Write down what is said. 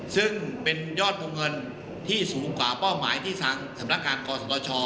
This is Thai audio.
ซึ่งเป็นยอดโปรเงินที่สูงกว่าเป้าหมายที่สำนักงานกรศาสตราชอ